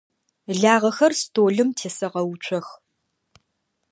Лагъэхэр столым тесэгъэуцох.